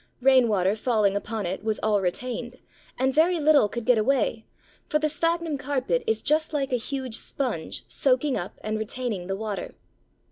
Rainwater falling upon it was all retained, and very little could get away, for the Sphagnum carpet is just like a huge sponge soaking up and retaining the water.